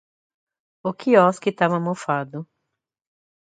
O quiosque tava mofado